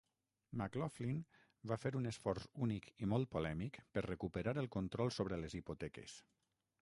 McLaughlin va fer un esforç únic i molt polèmic per recuperar el control sobre les hipoteques.